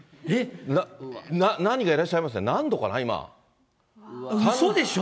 何人かいらっしゃいますね、何度うそでしょ。